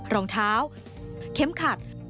รองเท้าเข็มขัด